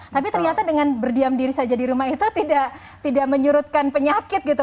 tapi ternyata dengan berdiam diri saja di rumah itu tidak menyurutkan penyakit gitu